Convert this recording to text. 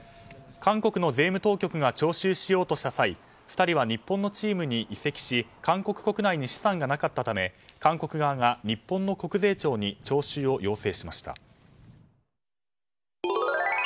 韓国の税務当局が徴収しようとした際２人は日本のチームに移籍し、韓国国内に資産がなかったため韓国側が日本の国税庁に徴収を要請しました。